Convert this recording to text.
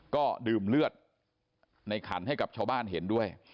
ก็ดื่มเลือดในขันให้กับชาวบ้านเห็นด้วย